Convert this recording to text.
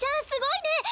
すごいね！